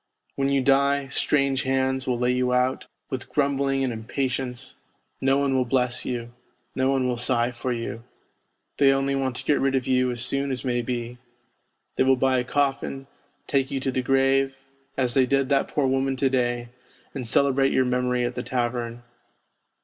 When you die, strange hands will lay you out, with grumbling and impatience; no one will bless you, no one will sigh for you, they only want to get rid of you as soon as may be ; they will buy a coffin, take you to the grave as they did that poor woman to day, and celebrate your memory at the tavern.